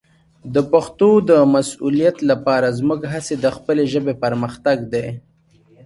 د پښتو د مسوولیت لپاره زموږ هڅې د خپلې ژبې پرمختګ دی.